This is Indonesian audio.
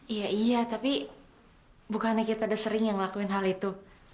iya iya tapi bukannya kita udah sering yang ngelakuin hal itu